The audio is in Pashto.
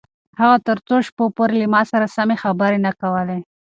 اغا تر څو شپو پورې له ما سره سمې خبرې نه کولې.